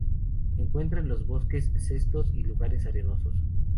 Se encuentra en los bosques, setos y lugares arenosos.